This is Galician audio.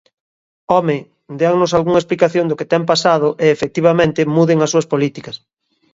¡Home!, déannos algunha explicación do que ten pasado e, efectivamente, muden as súas políticas.